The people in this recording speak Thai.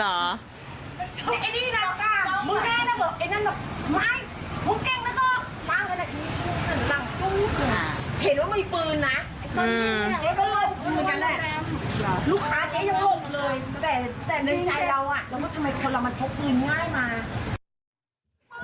แล้วว่าทำไมคนเรามันพกปืนง่ายมาก